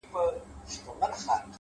سیاه پوسي ده، ترې کډي اخلو،